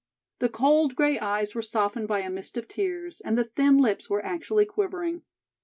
The cold gray eyes were softened by a mist of tears and the thin lips were actually quivering.